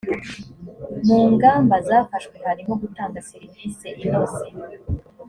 mu ngamba zafashwe harimo gutanga serivise inoze